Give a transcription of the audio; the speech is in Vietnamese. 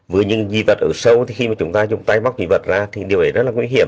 với những dị vật ở sâu thì khi mà chúng ta dùng tay bóc dị vật ra thì điều ấy rất là nguy hiểm